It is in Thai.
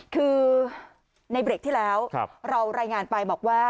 คือในเบรกที่แล้วเรารายงานไปบอกว่า